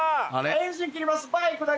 エンジン切ります、